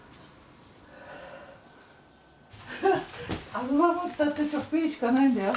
アルバムったってちょっぴりしかないんだよ。